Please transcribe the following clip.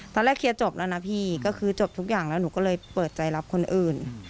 เคลียร์จบแล้วนะพี่ก็คือจบทุกอย่างแล้วหนูก็เลยเปิดใจรับคนอื่น